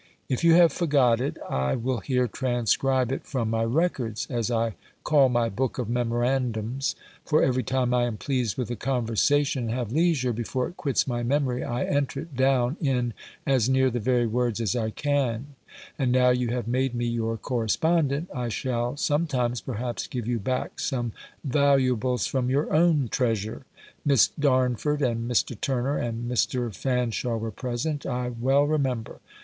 If you have forgot it, I will here transcribe it from my records, as I call my book of memorandums; for every time I am pleased with a conversation, and have leisure, before it quits my memory, I enter it down in as near the very words as I can; and now you have made me your correspondent, I shall sometimes, perhaps, give you back some valuables from your own treasure. Miss Darnford, and Mr. Turner, and Mr. Fanshaw, were present, I well remember.